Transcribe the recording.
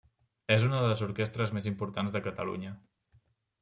És una de les orquestres més importants de Catalunya.